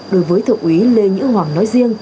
đối với thượng úy lê nhữ hoàng